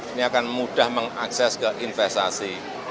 ini akan mudah mengakses ke investasi